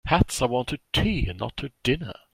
Hats are worn to tea and not to dinner.